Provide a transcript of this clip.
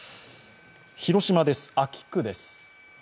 広島です、安芸区です。